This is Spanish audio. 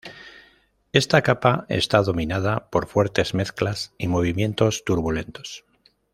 Esta capa está dominada por fuertes mezclas y movimientos turbulentos.